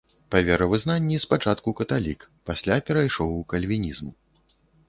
Па веравызнанні спачатку каталік, пасля перайшоў у кальвінізм.